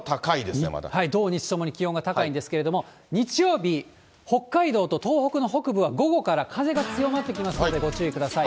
土、日ともに気温は高いんですけれども、日曜日、北海道と東北の北部は午後から風が強まってきますのでご注意ください。